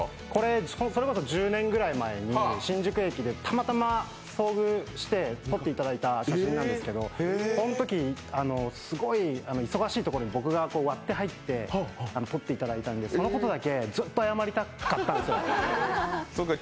それこそ１０年ぐらい前に新宿駅でたまたま遭遇して撮っていただいた写真なんですけどこのとき、すごい忙しいところに僕が割って入って撮っていただいたんで、そのことだけずっと謝りたかったんですよ。